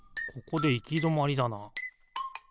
ここでいきどまりだな。